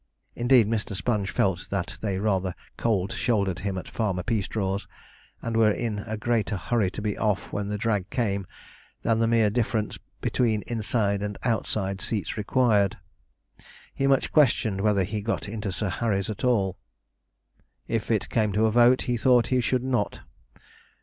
Indeed, Mr. Sponge felt that they rather cold shouldered him at Farmer Peastraw's, and were in a greater hurry to be off when the drag came, than the mere difference between inside and outside seats required. He much questioned whether he got into Sir Harry's at all. If it came to a vote, he thought he should not.